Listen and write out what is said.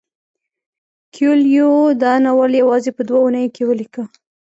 کویلیو دا ناول یوازې په دوه اونیو کې ولیکه.